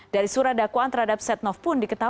dari surat dakwaan terhadap setnoff pun dikendalikan